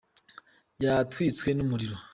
yatwitswe n'umuriro.